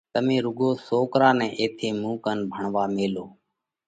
تمي رُوڳو سوڪرا نئہ ايٿئہ مُون ڪنَ ڀڻوا ميلو۔